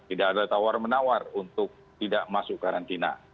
tidak ada tawar menawar untuk tidak masuk karantina